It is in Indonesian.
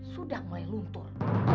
sudah mulai luntur